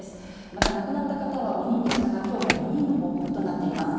また亡くなった方は５人でしたが、きょうは４人の報告となっています。